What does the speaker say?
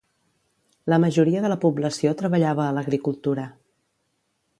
La majoria de la població treballava a l'agricultura.